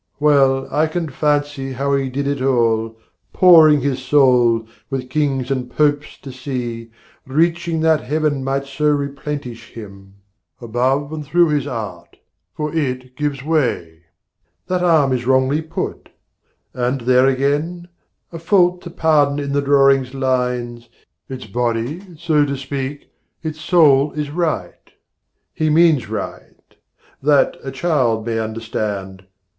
Well, I can fancy how he did it all, Pouring his soul, with kings and popes to see, Reaching, that heaven might so replenish him, Above and through his art for it gives way; That arm is wrongly put and there again A fault to pardon in the drawing's lines, Its body, so to speak: its soul is right, He means right that, a child may understand.